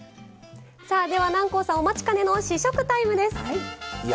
南光さん、お待ちかねの試食タイムです。